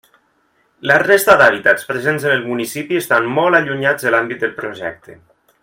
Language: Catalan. La resta d'hàbitats presents en el municipi estan molt allunyats de l'àmbit del Projecte.